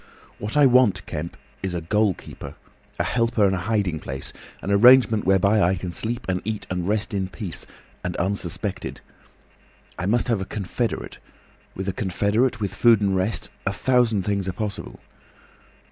"What I want, Kemp, is a goal keeper, a helper, and a hiding place, an arrangement whereby I can sleep and eat and rest in peace, and unsuspected. I must have a confederate. With a confederate, with food and rest—a thousand things are possible.